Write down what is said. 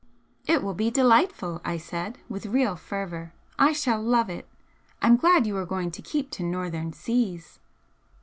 "It will be delightful!" I said, with real fervour "I shall love it! I'm glad you are going to keep to northern seas."